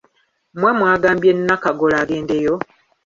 Mmwe mwagambye Nnakagolo agendeyo?